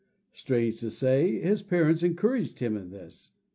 Strange to say, his parents encouraged him in this.